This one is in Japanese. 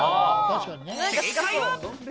正解は。